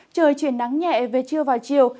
trời chuyển nắng nhẹ về trưa vào chiều